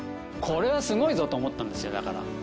「これはすごいぞ！」と思ったんですよだから。